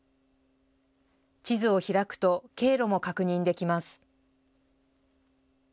地図を開くと経路も確認できます。